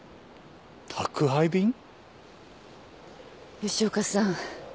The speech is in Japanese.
吉岡さん。